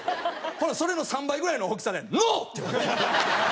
ほんならそれの３倍ぐらいの大きさで「ＮＯ！！」って言われて。